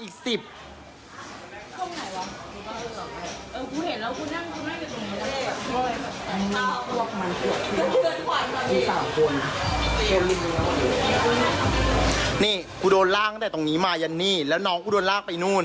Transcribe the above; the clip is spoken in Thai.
มมมนี่กูโดนรากแต่ตรงนี้มายันนี่แล้วน้องโดนรากไปโน่น